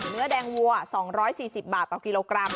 เนื้อแดงวัว๒๔๐บาทต่อกิโลกรัม